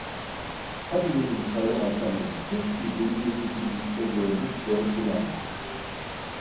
Hadi benim Sarı Hasanım, tut ki birbirimizi düşte görmüş de uyanmışız…